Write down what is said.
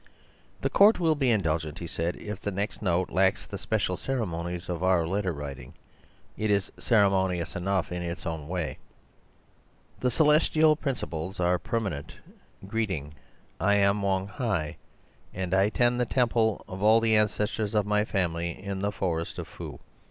"The Court will be indulgent," he said, "if the next note lacks the special ceremonies of our letter writing. It is ceremonious enough in its own way:— "The Celestial Principles are permanent: Greeting.—I am Wong Hi, and I tend the temple of all the ancestors of my family in the forest of Fu.